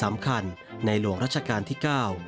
สำคัญในหลวงราชการที่เก้า